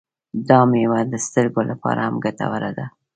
دا میوه د سترګو لپاره هم ګټوره ده.